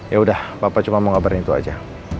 yaudah papa cuma mau ngabarin itu aja